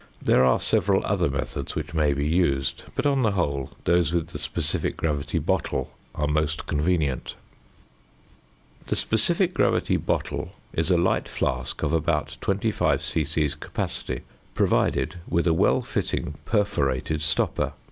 There are several other methods which may be used, but on the whole those with the specific gravity bottle are most convenient. [Illustration: FIG. 35.] ~The specific gravity bottle~ (fig. 35) is a light flask of about 25 c.c. capacity, provided with a well fitting perforated stopper.